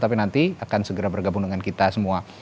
tapi nanti akan segera bergabung dengan kita semua